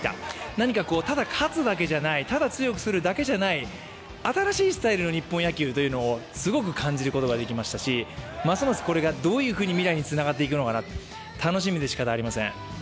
何か、ただ勝つだけじゃない、ただ強くするだけじゃない、新しいスタイルの日本野球というのをすごく感じることができましたしますますこれがどういうふうに未来につながっていくのかな、楽しみでしかたありません。